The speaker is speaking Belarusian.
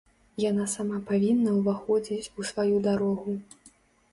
Яна сама павінна ўваходзіць у сваю дарогу.